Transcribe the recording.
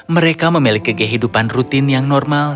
mereka memiliki kehidupan rutin yang normal